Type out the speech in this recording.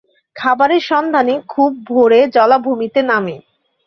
খাবারের সন্ধানে খুব ভোরে জলাভূমিতে নামে।